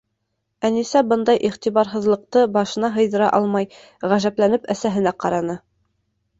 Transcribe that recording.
Әнисә бындай иғтибарһыҙлыҡты башына һыйҙыра алмай, ғәжәпләнеп әсәһенә ҡараны.